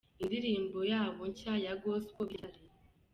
Indirimbo yabo nshya ya Gospel bise "Gitare".